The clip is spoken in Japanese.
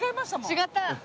違った？